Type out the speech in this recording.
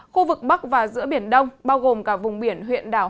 khu vực bắc và giữa biển đông bao gồm cả vùng biển huyện đảo